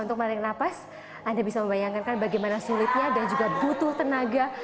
untuk mandang nafas anda bisa membayangkan kan bagaimana sulitnya ada juga butuh tenaga